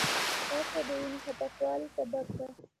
ځغاسته د وینې ښه پاکوالي سبب ده